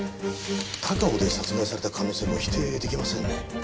高尾で殺害された可能性も否定出来ませんね。